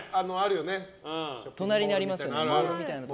隣にありますよね。